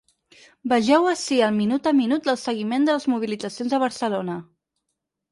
Vegeu ací el minut a minut del seguiment de les mobilitzacions a Barcelona.